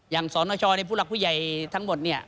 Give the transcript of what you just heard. อย่างสอน้อยช้อเนี่ยผู้หลักผู้ใหญ่ทั้งหมดเนี่ย